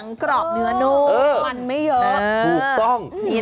หนังกรอบเนื้อนมันมันไม่เยอะ